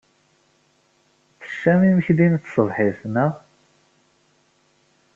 Teccam imekli n tṣebḥit, naɣ?